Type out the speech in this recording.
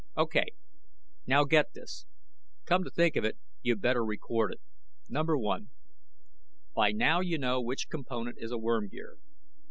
"Okay. Now get this. Come to think of it, you'd better record it. Number one: By now you know which component is a worm gear.